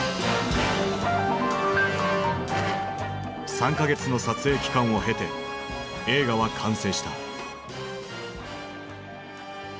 ３か月の撮影期間を経て映画は完成した。